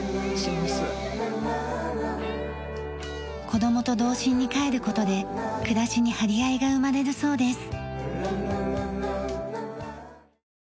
子どもと童心に帰る事で暮らしに張り合いが生まれるそうです。